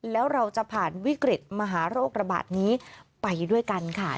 แล้วเราจะผ่านวิกฤตมหาโรคระบาดนี้ไปด้วยกันค่ะ